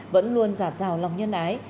vẫn luôn rạt rào lòng nhân ái